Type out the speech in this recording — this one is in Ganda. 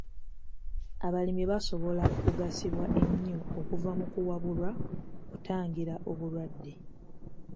Abalimi basobola okugasibwa ennyo okuva mu kuwabulwa ku kutangira obulwadde